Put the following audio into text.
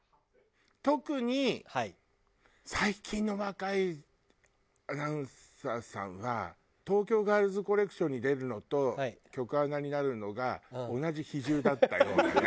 特に最近の若いアナウンサーさんは東京ガールズコレクションに出るのと局アナになるのが同じ比重だったようなね。